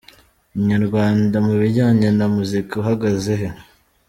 Inyarwanda: Mu bijyanye na muzika uhagaze he ?.